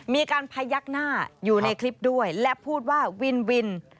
มีการพยักหน้าอยู่ในคลิปด้วยและพูดว่าวินวิน